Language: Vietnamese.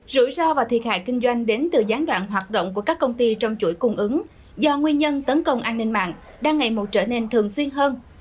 rủi ro và thiệt hại kinh doanh đến từ gián đoạn hoạt động của các công ty trong chuỗi cung ứng do nguyên nhân tấn công an ninh mạng đang ngày một trở nên thường xuyên hơn